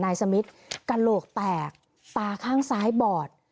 สมิทกระโหลกแตกตาข้างซ้ายบอด